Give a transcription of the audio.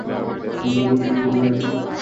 আনন্দময়ীর মনের একটা বেদনা আজ দূর হইল।